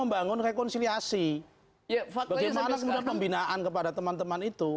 bagaimana pembinaan kepada teman teman itu